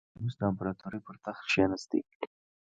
مکسیموس د امپراتورۍ پر تخت کېناست